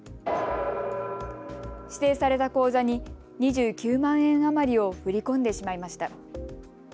指定された口座に２９万円余りを振り込んでしまいました。